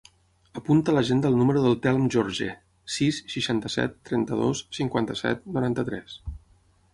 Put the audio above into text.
Apunta a l'agenda el número del Telm Jorge: sis, seixanta-set, trenta-dos, cinquanta-set, noranta-tres.